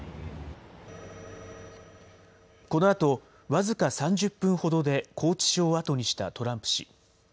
このあと僅か３０分ほどで拘置所を後にしたトランプ氏。